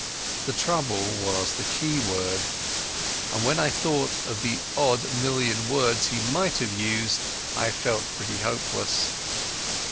The trouble was the key word, and when I thought of the odd million words he might have used I felt pretty hopeless.